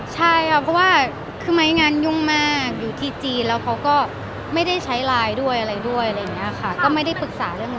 ใช่ค่ะเพราะว่าคือไม้งานยุ่งมากอยู่ที่จีนแล้วเขาก็ไม่ได้ใช้ไลน์ด้วยอะไรด้วยอะไรอย่างนี้ค่ะก็ไม่ได้ปรึกษาเรื่องนี้